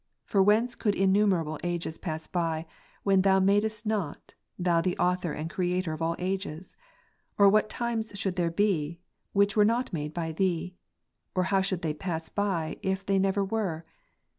For whence could innumerable ages pass by, which Thou madest not, Thou the Author and Creator of all ages ? or what times should there be, which were not made by Thee "»? or how should they pass by, if they never were